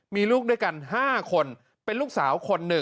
มีลูกด้วยกัน๕คนเป็นลูกสาวคน๑